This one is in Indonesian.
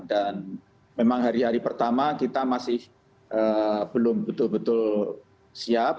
dan memang hari hari pertama kita masih belum betul betul siap